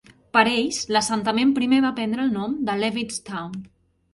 Per ells, l'assentament primer va prendre el nom de Leavitt's Town.